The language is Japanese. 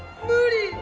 何？